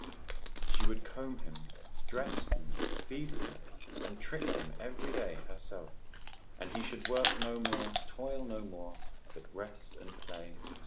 She would comb him, dress him, feed him, and trick him every day herself, and he should work no more, toil no more, but rest and play, &c.